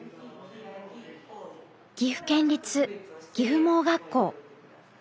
岐阜県立岐阜盲学校。